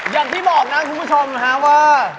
อย่างที่บอกนะคุณผู้ชมนะฮะว่า